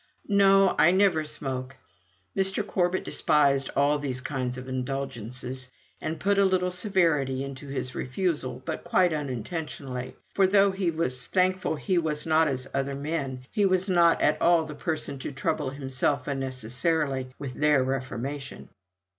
"No! I never smoke." Mr. Corbet despised all these kinds of indulgences, and put a little severity into his refusal, but quite unintentionally; for though he was thankful he was not as other men, he was not at all the person to trouble himself unnecessarily with their reformation.